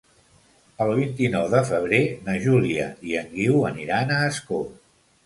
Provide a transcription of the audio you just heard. El vint-i-nou de febrer na Júlia i en Guiu aniran a Ascó.